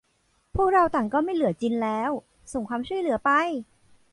พวกเราต่างก็ไม่เหลือจินแล้ว : ส่งความช่วยเหลือไป !